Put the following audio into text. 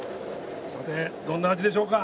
さてどんな味でしょうか？